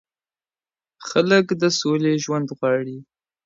خلګ د سولې ژوند غواړي